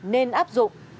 nên áp dụng